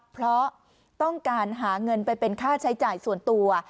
เพราะต้องการหาเงินไปเป็นค่าใช้จ่ายส่วนตัว